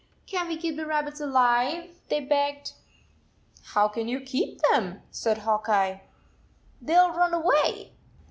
" Can t we keep the rabbits alive?" they begged. " How can you keep them?" said Hawk Eye. " They 11 run away."